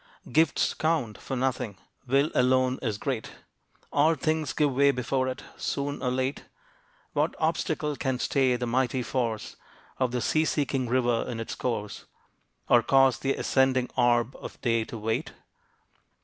Gifts count for nothing; will alone is great; All things give way before it, soon or late. What obstacle can stay the mighty force Of the sea seeking river in its course, Or cause the ascending orb of day to wait?